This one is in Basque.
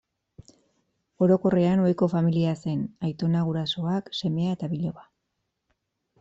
Orokorrean, ohiko familia zen: aitona, gurasoak, semea eta biloba.